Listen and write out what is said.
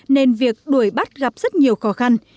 nên việc đuổi bắt gặp rất nhiều khó khăn